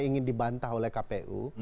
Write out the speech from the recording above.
ingin dibantah oleh kpu